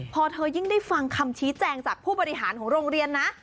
พอเธอยิ่งได้ฟังคำชี้แจงจากผู้บริหารของโรงเรียนนะ